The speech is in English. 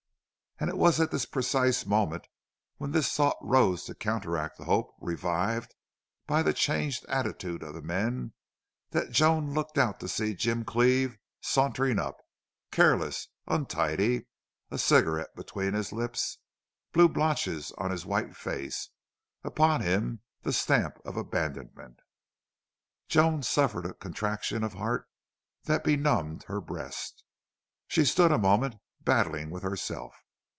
And it was at the precise moment when this thought rose to counteract the hope revived by the changed attitude of the men that Joan looked out to see Jim Cleve sauntering up, careless, untidy, a cigarette between his lips, blue blotches on his white face, upon him the stamp of abandonment. Joan suffered a contraction of heart that benumbed her breast. She stood a moment battling with herself.